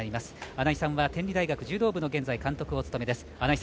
穴井さんは現在天理大学柔道部の監督をお務めです。